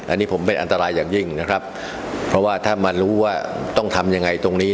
อันนี้ผมเป็นอันตรายอย่างยิ่งนะครับเพราะว่าถ้ามารู้ว่าต้องทำยังไงตรงนี้